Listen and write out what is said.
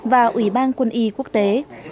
và ủy ban quân y quốc tế